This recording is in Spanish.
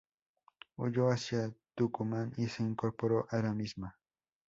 Huyó hacia Tucumán y se incorporó a la misma.